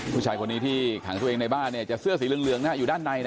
ผู้ชายคนนี้ที่ขังตัวเองในบ้านจะเสื้อสีเหลืองอยู่ด้านใน